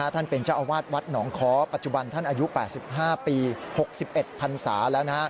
ท่านเป็นเจ้าอาวาสวัดหนองค้อปัจจุบันท่านอายุ๘๕ปี๖๑พันศาแล้ว